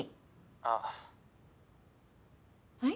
「あっ」はい？